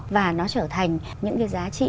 và nó trở thành những cái giá trị